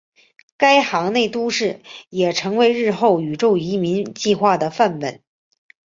该舰内都市也成为日后宇宙移民计画的范本。